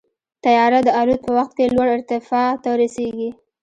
طیاره د الوت په وخت کې لوړ ارتفاع ته رسېږي.